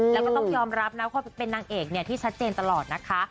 แล้วก็ต้องยอมรับนะว่าเป็นนางเอกเนี่ยที่ชัดเจนตลอดนะคะ